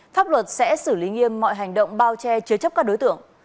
pháp luật sẽ xử lý nghiêm mọi hành động bao che chứa chấp các đối tượng